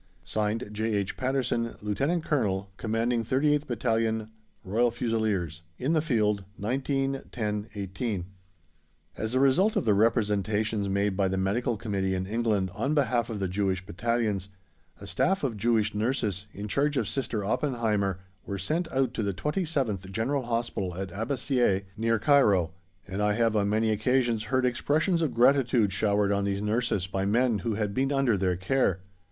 (Signed) J. H. PATTERSON, Lt. Colonel, Commanding 38th Battn. Royal Fusiliers. In the Field, 19/10/18. As a result of the representations made by the Medical Committee in England on behalf of the Jewish Battalions, a Staff of Jewish Nurses, in charge of Sister Oppenheimer, were sent out to the 27th General Hospital at Abbasieh, near Cairo, and I have on many occasions heard expressions of gratitude showered on these nurses by men who had been under their care.